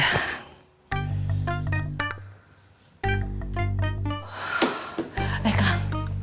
kalo itu tuh alat tes kehamilan